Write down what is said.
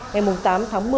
ngày tám tháng một mươi